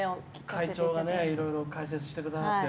会長がいろいろ解説してくださって。